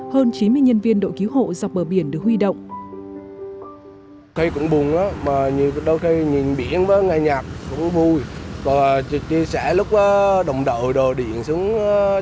hơn chín mươi nhân viên đội cứu hộ dọc bờ biển được huy động